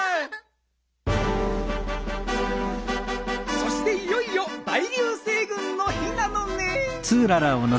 そしていよいよ大りゅう星ぐんの日なのねん。